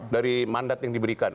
dari mandat yang diberikan